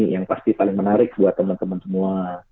yang pasti paling menarik buat teman teman semua